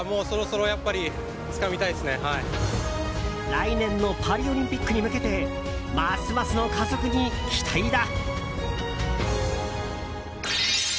来年のパリオリンピックに向けてますますの加速に期待だ。